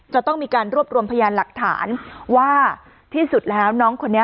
จะต้องมีการรวบรวมพยานหลักฐานว่าที่สุดแล้วน้องคนนี้